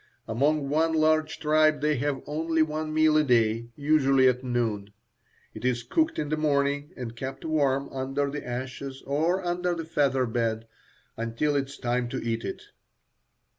Among one large tribe they have only one meal a day, usually at noon. It is cooked in the morning and kept warm under the ashes or under the feather bed until it is time to eat it.